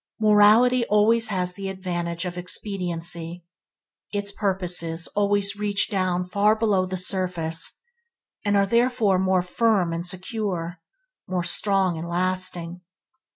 Morality always has the advantage of expediency. Its purposes always reach down far below the surface, and are therefore more firm and secure, more strong and lasting.